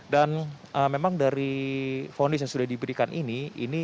dan memang dari fondis yang sudah diberikan ini